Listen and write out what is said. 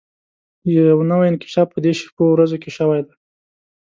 يو نوی انکشاف په دې شپو ورځو کې شوی دی.